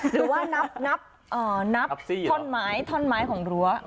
หรือว่านับท่อนไม้ของรั้ว